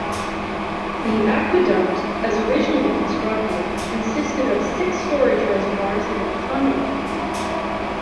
The aqueduct as originally constructed consisted of six storage reservoirs and of conduit.